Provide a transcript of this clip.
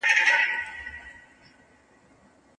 د هېواد په لیري پرتو سیمو کي ښوونځي سته؟